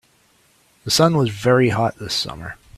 The sun was very hot this summer.